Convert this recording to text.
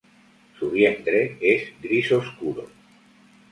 Su vientre es gris oscuro.